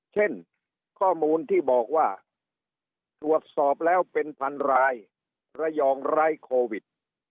เช่นข้อมูลที่บอกว่าตรวจสอบแล้วเป็นพันรายระยองไร้โควิด